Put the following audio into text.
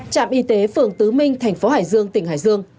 trạm y tế phường tứ minh tp hải dương tỉnh hải dương